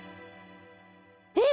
えっ？